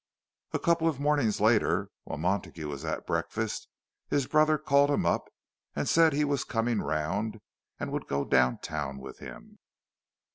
A couple of mornings later, while Montague was at breakfast, his brother called him up and said that he was coming round, and would go down town with him.